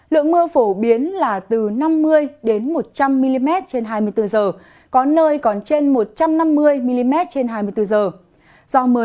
lượng mưa phổ biến là từ năm mươi một trăm linh mm trên hai mươi bốn giờ có nơi còn trên một trăm năm mươi mm trên hai mươi bốn giờ